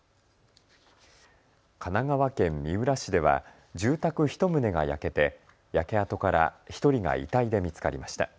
神奈川県三浦市では住宅１棟が焼けて焼け跡から１人が遺体で見つかりました。